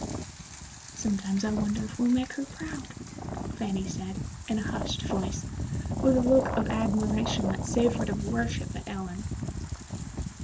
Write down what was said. "Sometimes I wonder if we'll make her proud," Fanny said, in a hushed voice, with a look of admiration that savored of worship at Ellen.